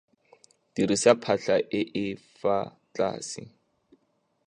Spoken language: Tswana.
Dirisa phatlha e e fa tlase.